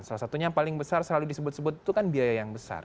salah satunya yang paling besar selalu disebut sebut itu kan biaya yang besar